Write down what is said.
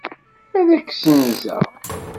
Ad k-ssenzeɣ!